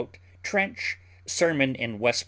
TRENCH _Serm. in Westm.